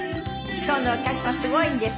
今日のお客様すごいんです。